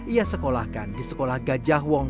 ia sekolahkan di sekolah gajahwong